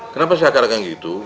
kenapa saya katakan gitu